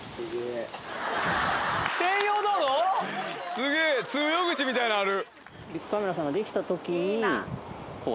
すげぇ通用口みたいなんある。